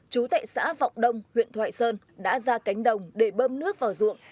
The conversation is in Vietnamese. chú tại xã vọng đông huyện thoại sơn đã ra cánh đồng để bơm nước vào ruộng